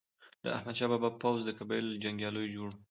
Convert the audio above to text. د احمد شاه بابا پوځ د قبایلو له جنګیالیو جوړ و.